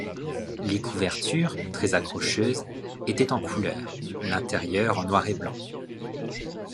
Les couvertures, très accrocheuses, étaient en couleurs, l'intérieur en noir et blanc.